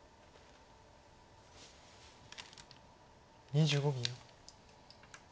２５秒。